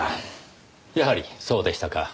やはりそうでしたか。